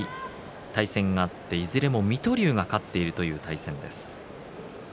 対戦があって、いずれも水戸龍が勝っているという対戦です。